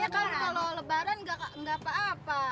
katanya kalau lebaran nggak apa apa